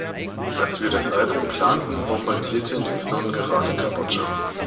Als wir das Album planten, bombardierte Nixon gerade Kambodscha.